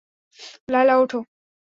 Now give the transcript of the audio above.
লায়লা, ওঠো।